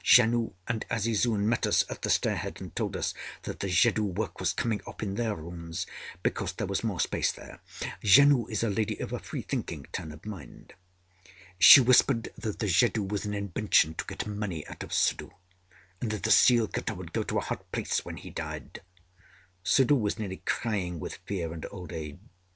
Janoo and Azizun met us at the stair head, and told us that the jadoo work was coming off in their rooms, because there was more space there. Janoo is a lady of a freethinking turn of mind. She whispered that the jadoo was an invention to get money out of Suddhoo, and that the seal cutter would go to a hot place when he died. Suddhoo was nearly crying with fear and old age.